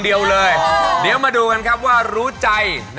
เดี๋ยวมาดูคะว่ารู้ใจ